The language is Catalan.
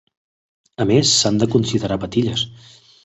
A més, s'han de considerar patilles.